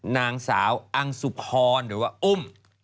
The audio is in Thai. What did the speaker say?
นางสาวอังสุพรหรือว่าอุ้ม